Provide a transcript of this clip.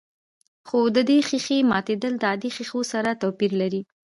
خو د دې ښيښې ماتېدل د عادي ښيښو سره توپير لري.